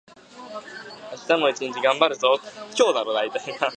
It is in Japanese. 明日も一日がんばるぞ